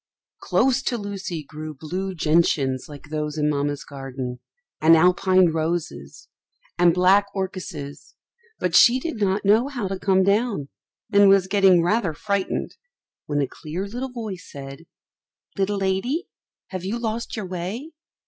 Close to Lucy grew blue gentians like those in Mamma's garden, and Alpine roses, and black orchises; but she did not know how to come down, and was getting rather frightened when a clear little voice said, "Little lady, have you lost your way?